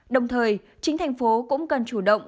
đồng thời chính thành phố cũng cần chủ động